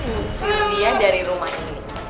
kediaman dari rumah ini